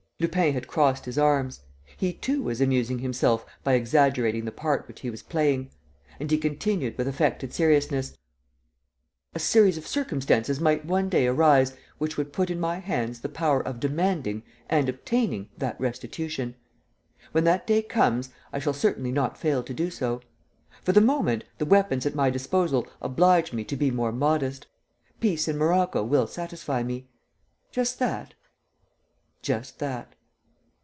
Lupin had crossed his arms. He, too, was amusing himself by exaggerating the part which he was playing; and he continued, with affected seriousness: "A series of circumstances might one day arise which would put in my hands the power of demanding and obtaining that restitution. When that day comes, I shall certainly not fail to do so. For the moment, the weapons at my disposal oblige me to be more modest. Peace in Morocco will satisfy me." "Just that?" "Just that."